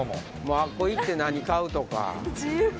あっこ行って何買うとか。